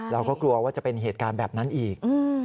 เราก็กลัวว่าจะเป็นเหตุการณ์แบบนั้นอีก